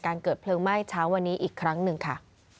เกิดเพลิงไหม้เช้าวันนี้อีกครั้งหนึ่งค่ะ